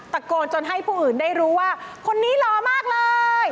ตะโกนจนให้ผู้อื่นได้รู้ว่าคนนี้รอมากเลย